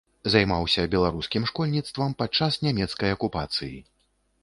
Займаўся беларускім школьніцтвам падчас нямецкай акупацыі.